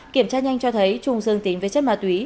kiểm tra nhanh cho thấy trung dương tính với chất ma túy